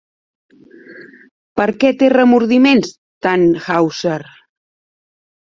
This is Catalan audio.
Per què té remordiments Tannhäuser?